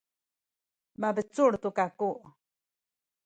mabecul tu kaku.